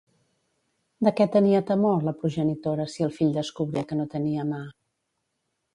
De què tenia temor la progenitora si el fill descobria que no tenia mà?